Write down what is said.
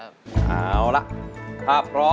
ไม่ใช้